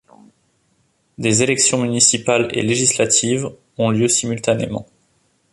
Des élections municipales et législatives ont lieu simultanément.